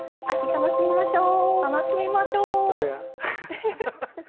楽しみましょう。